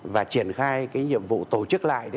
và triển khai cái nhiệm vụ tổ chức lại